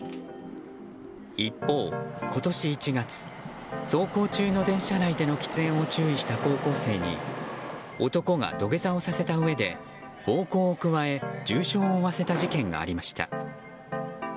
一方、今年１月走行中の電車内での喫煙を注意した高校生に男が土下座をさせたうえで暴行を加え重傷を負わせた事件がありました。